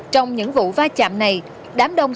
trong những vụ va chạm này đám đông